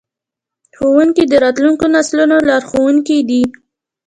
ښوونکي د راتلونکو نسلونو لارښوونکي دي.